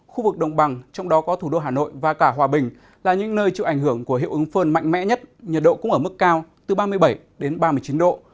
khu vực đồng bằng trong đó có thủ đô hà nội và cả hòa bình là những nơi chịu ảnh hưởng của hiệu ứng phơn mạnh mẽ nhất nhiệt độ cũng ở mức cao từ ba mươi bảy đến ba mươi chín độ